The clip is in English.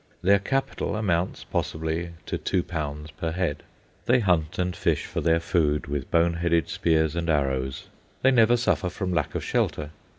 Their capital amounts possibly to £2 per head. They hunt and fish for their food with bone headed spears and arrows. They never suffer from lack of shelter.